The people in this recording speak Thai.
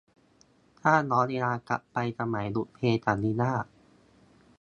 ถ้าย้อนเวลากลับไปสมัย บุพเพสันนิวาส